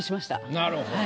なるほど。